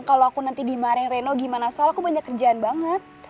kalau aku nanti dimarahin reno gimana soal aku banyak kerjaan banget